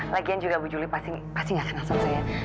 lagian juga bu juli pasti nggak kenal sama saya